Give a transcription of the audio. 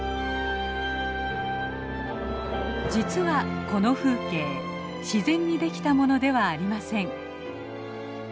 実はこの風景自然に出来たものではありません。